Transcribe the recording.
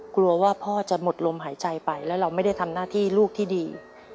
กลัวว่าพ่อจะหมดลมหายใจไปแล้วเราไม่ได้ทำหน้าที่ลูกที่ดี